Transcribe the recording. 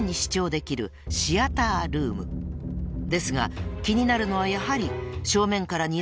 ［ですが気になるのはやはり］